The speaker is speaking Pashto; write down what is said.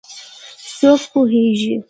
څوک پوهیږېي